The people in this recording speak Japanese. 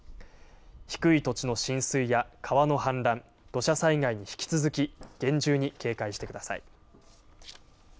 低い土地の浸水や川の氾濫、土砂災害に引き続き厳重に警戒してください。